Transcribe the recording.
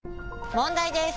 問題です！